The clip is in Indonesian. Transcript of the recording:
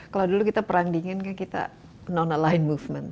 kalau dulu kita perang dingin kan kita non aligned movement